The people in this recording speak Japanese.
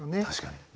確かに。